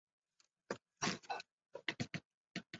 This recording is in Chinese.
院派是平安时代后期至镰仓时代的佛师之一派。